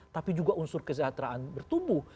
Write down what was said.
tapi juga unsur kesejahteraan bertumbuh